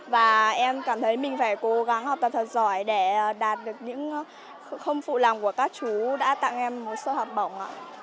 và em cảm thấy mình phải cố gắng học tập thật giỏi để đạt được những không phụ lòng của các chú đã tặng em một số học bổng ạ